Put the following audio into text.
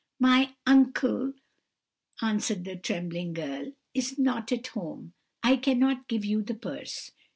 "'My uncle,' answered the trembling girl, 'is not at home; I cannot give you the purse.'